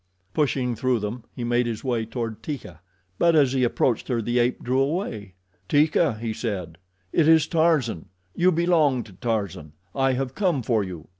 Pushing through them, he made his way toward Teeka; but as he approached her the ape drew away. "Teeka," he said, "it is Tarzan. You belong to Tarzan. I have come for you."